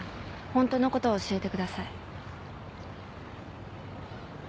ホントのことを教えてください。